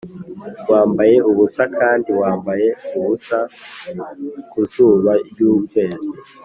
wambaye ubusa kandi wambaye ubusa ku zuba ry'ukwezi;